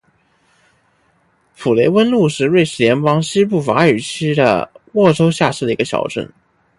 普雷翁路是瑞士联邦西部法语区的沃州下设的一个镇。